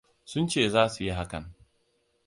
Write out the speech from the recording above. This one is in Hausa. Sun ce za su yi hakan.